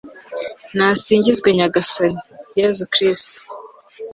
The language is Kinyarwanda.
nasingizwe nyagasani, yezu kristu